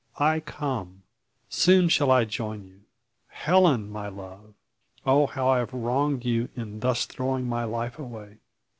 I come. Soon shall I join you. Helen, my love! Oh, how I have wronged you in thus throwing my life away!